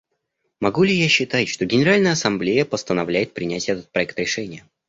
Могу ли я считать, что Генеральная Ассамблея постановляет принять этот проект решения?